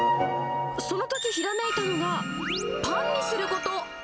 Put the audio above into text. そのときひらめいたのが、パンにすること。